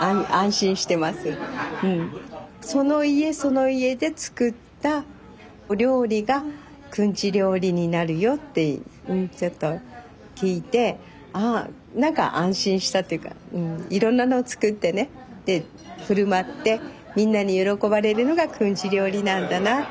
その家その家で作ったお料理がくんち料理になるよってちょっと聞いてああ何か安心したっていうかいろんなのを作ってねで振る舞ってみんなに喜ばれるのがくんち料理なんだなあって思いました。